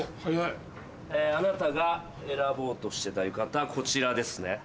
あなたが選ぼうとしてた浴衣こちらですね？